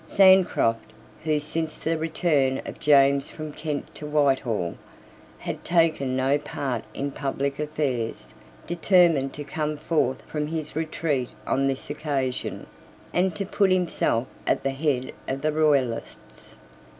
Sancroft, who, since the return of James from Kent to Whitehall, had taken no part in public affairs, determined to come forth from his retreat on this occasion, and to put himself at the head of the Royalists.